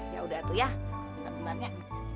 ya udah tuh ya sebentar ya